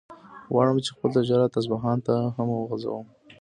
غواړم چې خپل تجارت اصفهان ته هم وغځوم.